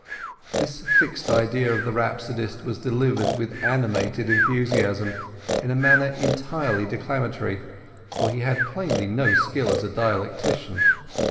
This fixed idea of the rhapsodist was delivered with animated enthusiasm, in a manner entirely declamatory, for he had plainly no skill as a dialectician.